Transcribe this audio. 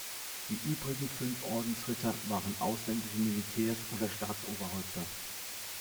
Die übrigen fünf Ordensritter waren ausländische Militärs oder Staatsoberhäupter.